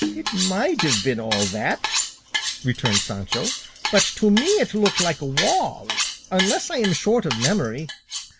"It might have been all that," returned Sancho, "but to me it looked like a wall, unless I am short of memory."